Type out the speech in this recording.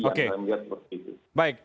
saya melihat seperti itu